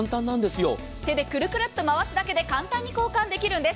手でくるくるっと回すだけで簡単に交換できるんです。